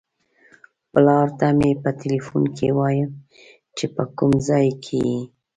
پلار ته مې په ټیلیفون کې وایم چې په کوم ځای کې یې.